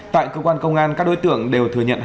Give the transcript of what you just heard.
tại cơ quan công an các đối tượng đều thừa nhận